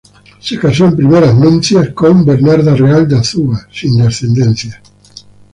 Se casó en primeras nupcias con Bernarda Real de Azúa, sin descendencia.